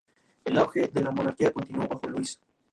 El auge de la monarquía continuó bajo Luis.